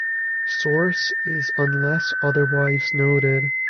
Source is unless otherwise noted.